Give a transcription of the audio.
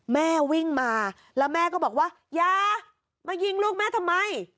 แม่วิ่งมาแล้วแม่ก็บอกว่าอย่ามายิงลูกแม่ทำไม